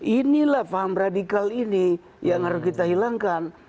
inilah paham radikal ini yang harus kita hilangkan